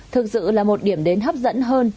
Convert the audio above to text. thực sự là một điểm đến hấp dẫn hơn